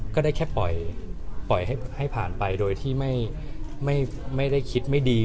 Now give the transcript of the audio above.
ก็ได้แค่ปล่อยให้ผ่านไปโดยที่ไม่ได้คิดไม่ดี